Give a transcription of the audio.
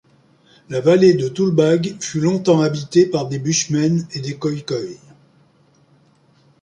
La vallée de Tulbagh fut longtemps habitée par des bushmen et des Khoïkhoïs.